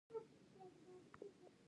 افغانستان په قومونه باندې تکیه لري.